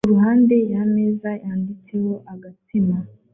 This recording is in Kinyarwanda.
iruhande yameza yanditseho agatsima